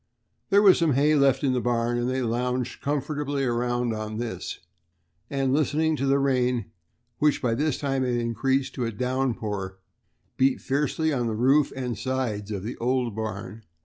There was some hay left in the barn, and they lounged comfortably around on this, talking and listening to the rain, which by this time had increased to a downpour, and beat fiercely on the roof and sides of the old barn.